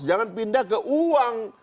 jangan pindah ke uang